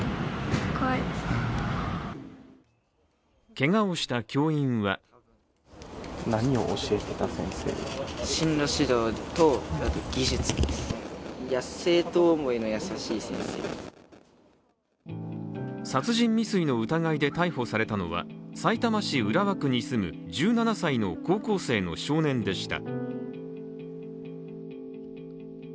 けがをした教員は殺人未遂の疑いで逮捕されたのはさいたま市浦和区に住む１７歳の高校生の少年でした。